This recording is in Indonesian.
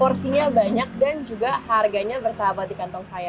porsinya banyak dan juga harganya bersahabat di kantong saya